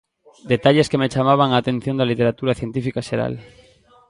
Detalles que me chamaban a atención da literatura científica xeral.